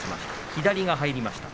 左が入りました。